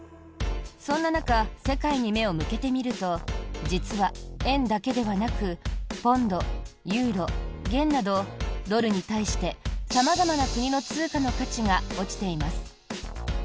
そんな中世界に目を向けてみると実は、円だけではなくポンド、ユーロ、元などドルに対して様々な国の通貨の価値が落ちています。